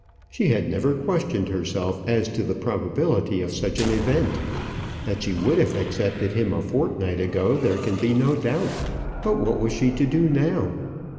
She had never questioned herself as to the probability of such an event. That she would have accepted him a fortnight ago, there can be no doubt; but what was she to do now?